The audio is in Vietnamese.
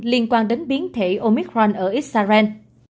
liên quan đến biến thể omicron ở israel